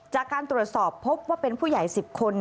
จากการตรวจสอบพบว่าเป็นผู้ใหญ่๑๐คน